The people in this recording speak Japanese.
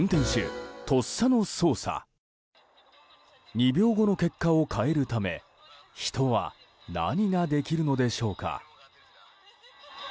２秒後の結果を変えるため人は何ができるのでしょうか。